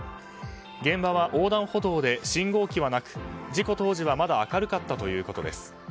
現場は横断歩道で信号機はなく事故当時はまだ明るかったということです。